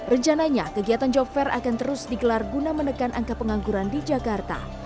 rencananya kegiatan job fair akan terus digelar guna menekan angka pengangguran di jakarta